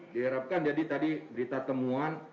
diharapkan jadi tadi berita temuan